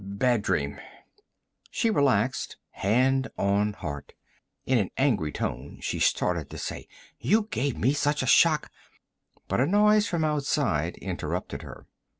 Bad dream." She relaxed, hand on heart. In an angry tone, she started to say: "You gave me such a shock " But a noise from outside interrupted her.